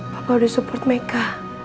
bapak udah support mereka